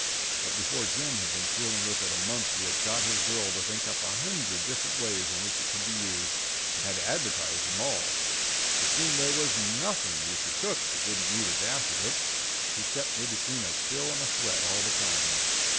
But before Jim had been fooling with it a month he had got his girl to think up a hundred different ways in which it could be used, and had advertised them all. It seemed there was nothing you could cook that didn't need a dash of it. He kept me between a chill and a sweat all the time.